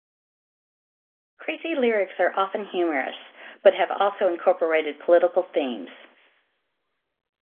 Crazy's lyrics are often humorous, but have also incorporated political themes.